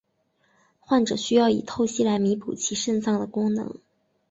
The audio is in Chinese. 患者需要以透析来弥补其肾脏的功能。